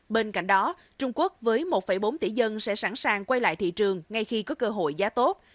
bên cạnh đó trung quốc với một bốn tỷ dân sẽ sẵn sàng quay lại thị trường ngay khi có cơ hội giá tốt